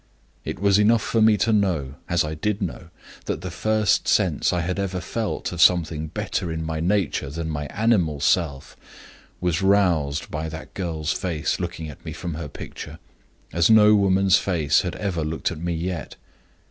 It was enough for me to know as I did know that the first sense I had ever felt of something better in my nature than my animal self was roused by that girl's face looking at me from her picture as no woman's face had ever looked at me yet.